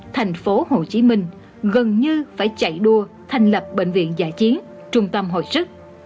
thành phố hồ chí minh gần như phải chạy đua thành lập bệnh viện giả chiến trung tâm hội sức